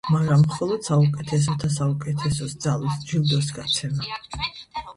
მაგრამ მხოლოდ საუკეთესოთა საუკეთესოს ძალუძს ჯილდოს გაცემა.